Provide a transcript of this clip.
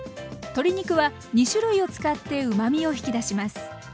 鶏肉は２種類を使ってうまみを引き出します。